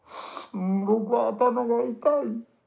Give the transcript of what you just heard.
「僕は頭が痛い」。